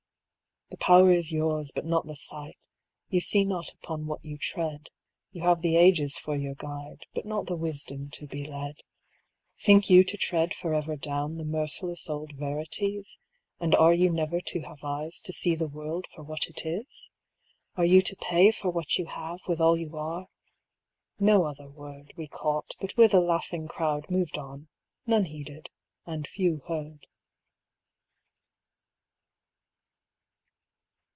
"The power is yours, but not the sight; You see not upon what you tread; You have the ages for your guide, But not the wisdom to be led. "Think you to tread forever down The merciless old verities? And are you never to have eyes To see the world for what it is? "Are you to pay for what you have With all you are?" No other word We caught, but with a laughing crowd Moved on. None heeded, and few heard.